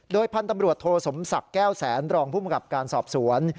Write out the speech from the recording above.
พันธุ์ตำรวจโทสมศักดิ์แก้วแสนรองภูมิกับการสอบสวน